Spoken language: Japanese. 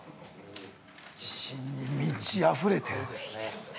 自信に満ちあふれているということですね